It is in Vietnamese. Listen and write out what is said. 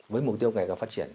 với mục tiêu ngày càng phát triển